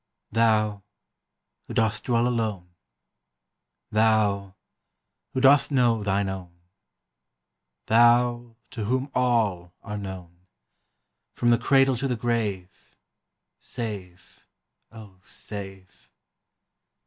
Thou, who dost dwell alone; Thou, who dost know thine own; Thou, to whom all are known, From the cradle to the grave, Save, O, save!